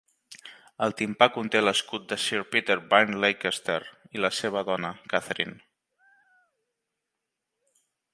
El timpà conté l'escut de Sir Peter Byrne Leicester i la seva dona, Catherine.